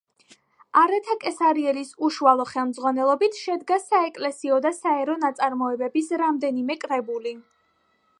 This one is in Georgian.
არეთა კესარიელის უშუალო ხელმძღვანელობით შედგა საეკლესიო და საერო ნაწარმოებების რამდენიმე კრებული.